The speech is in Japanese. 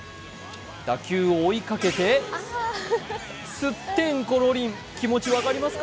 打球を追いかけてすってんころりん、気持ち分かりますか？